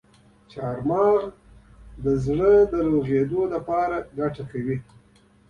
چارمغز د زړه روغتیا ته ګټه رسوي.